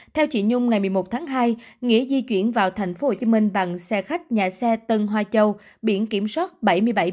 theo chị nhung ngày một mươi một tháng hai nghĩa di chuyển vào thành phố hồ chí minh bằng xe khách nhà xe tân hoa châu biển kiểm soát bảy mươi bảy b hai nghìn bốn trăm năm mươi bảy